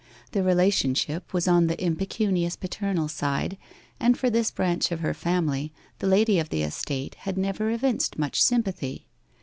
The relationship was on the impecunious paternal side, and for this branch of her family the lady of the estate had never evinced much sympathy.